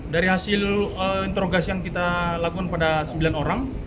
dari hasil interogasi yang kita lakukan pada sembilan orang